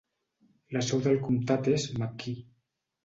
La seu del comtat és McKee.